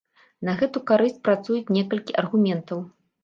На гэту карысць працуюць некалькі аргументаў.